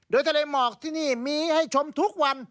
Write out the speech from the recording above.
โดยทะเลหมอกที่นี่มีให้ชมทุกวัน